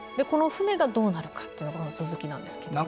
この舟がどうなるかというのが続きなんですね。